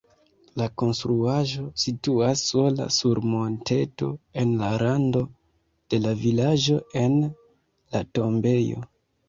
La konstruaĵo situas sola sur monteto en rando de la vilaĝo en la tombejo.